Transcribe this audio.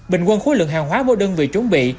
bình quân khối lượng hàng hóa mỗi đơn vị chuẩn bị